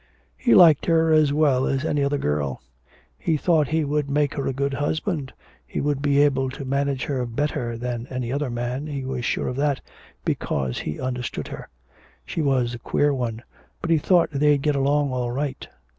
He liked her as well as any other girl; he thought he would make her a good husband, he would be able to manage her better than any other man, he was sure of that, because he understood her. She was a queer one: but he thought they'd get along all right.